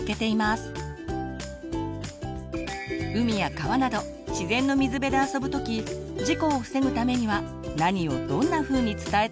海や川など自然の水辺で遊ぶ時事故を防ぐためには何をどんなふうに伝えたらいいの？